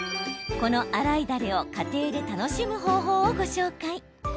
この洗いダレを家庭で楽しむ方法をご紹介。